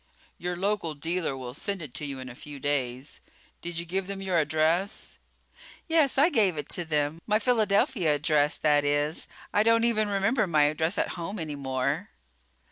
"Your local dealer will send it to you in a few days. Did you give them your address?" "Yes, I gave it to them. My Philadelphia address, that is. I don't even remember my address at home any more."